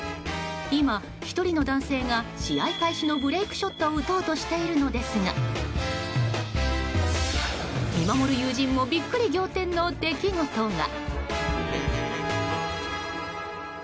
今、１人の男性が試合開始のブレークショットを打とうとしているのですが見守る友人もビックリ仰天の出来事が。